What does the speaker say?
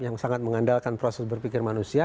yang sangat mengandalkan proses berpikir manusia